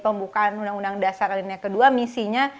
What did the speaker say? pembukaan undang undang dasar alinnya yang kedua misinya